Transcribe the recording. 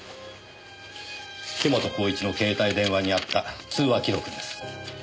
樋本晃一の携帯電話にあった通話記録です。